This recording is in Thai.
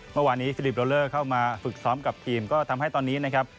เมื่อวานนี้ฟิลิปโลเลอร์เข้ามาฝึกซ้อมกับทีมก็ทำให้ตอนนี้นะครับ